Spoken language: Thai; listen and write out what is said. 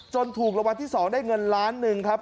ถูกรางวัลที่๒ได้เงินล้านหนึ่งครับ